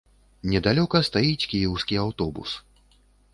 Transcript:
Недалёка стаіць кіеўскі аўтобус.